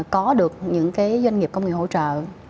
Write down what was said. có được những doanh nghiệp công nghiệp hỗ trợ